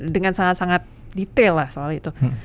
dengan sangat sangat detail lah soal itu